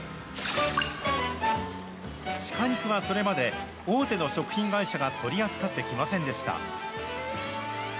シカ肉はそれまで、大手の食品会社が取り扱ってきませんでした。